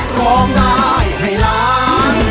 พร้อมได้ไฮล่าน